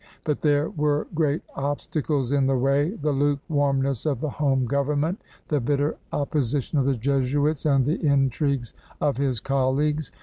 But there were great obstacles in the way, — the luke wammess of the home government, the bitter opposition of the Jesuits, and the intrigues of his colleagues.